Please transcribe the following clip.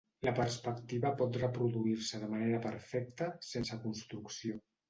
La perspectiva pot reproduir-se de manera perfecta, sense construcció.